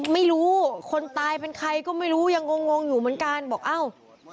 ไม่รู้คนตายเป็นใครก็ไม่รู้ยังงงงอยู่เหมือนกันบอกเอ้า